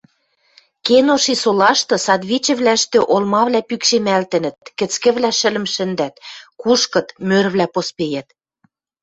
Кеноши солашты садвичӹвлӓштӹ олмавлӓ пӱкшемӓлтӹнӹт, кӹцкӹвлӓ шӹлым шӹндӓт, кушкыт, мӧрвлӓ поспеят.